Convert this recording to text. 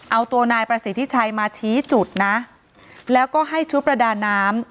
เอาตัวนายประสิทธิชัยมาชี้จุดนะแล้วก็ให้ชุดประดาน้ำ